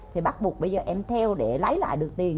thì bắt buộc bây giờ em theo để lấy lại được tiền